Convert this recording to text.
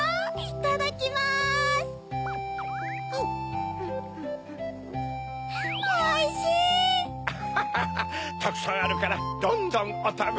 たくさんあるからどんどんおたべ。